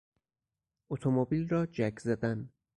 اتومبیل را جک زدن